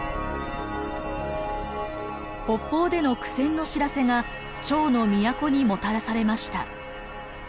北方での苦戦の知らせが趙の都にもたらされました。